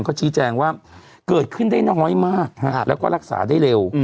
เขาชี้แจงว่าเกิดขึ้นได้น้อยมากแล้วก็รักษาได้เร็ว